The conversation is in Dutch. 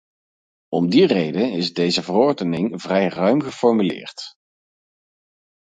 Om die reden is deze verordening vrij ruim geformuleerd.